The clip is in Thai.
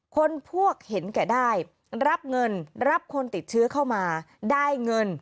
คนพวกเห็นแก่ได้รับเงินรับคนติดเชื้อเข้ามาได้เงิน